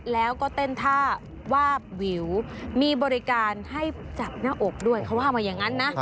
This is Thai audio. แล้วก็เต้นท่าวาบวิวมีบริการให้จับหน้าอกด้วยเขาว่ามาอย่างนั้นนะ